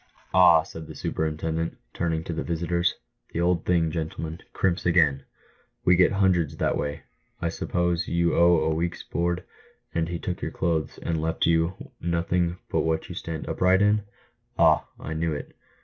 "Ah," said the superintendent, turning to the visitors, "the old thing, gentlemen, ' crimps' again ! "We get hundreds that way. I suppose you owed a week's board, and he took your clothes, and left you nothing but what you stand upright in ? Ah ! I knew^it